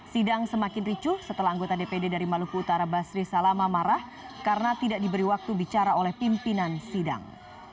sidang semakin ricuh setelah anggota dpd dari maluku utara basri salama marah karena tidak diberi waktu bicara oleh pimpinan sidang